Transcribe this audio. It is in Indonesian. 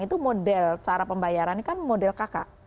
itu model cara pembayaran model kk